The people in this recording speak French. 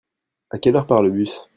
À quelle heure part le bus ?